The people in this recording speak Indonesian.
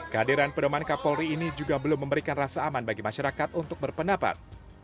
kehadiran pedoman kapolri ini juga belum memberikan rasa aman bagi masyarakat untuk berpendapat